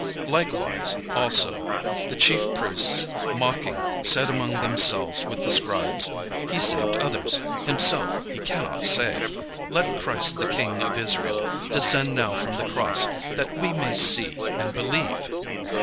Likewise also the chief priests mocking said among themselves with the scribes, "He saved others; himself he cannot save. Let Christ the King of Israel descend now from the cross, that we may see and believe."